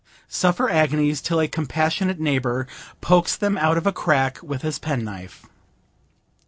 Suffer agonies till a compassionate neighbor pokes them out of a crack with his pen knife.